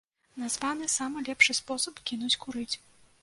Названы самы лепшы спосаб кінуць курыць.